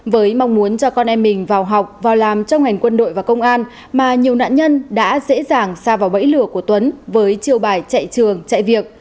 với mong muốn cho con em mình vào học vào làm trong ngành quân đội và công an mà nhiều nạn nhân đã dễ dàng xa vào bẫy lửa của tuấn với chiều bài chạy trường chạy việc